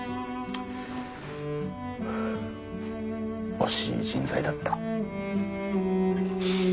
惜しい人材だった。